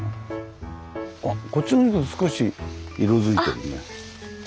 あっこっちの少し色づいてるね。